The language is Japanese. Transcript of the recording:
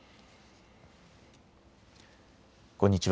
こんにちは。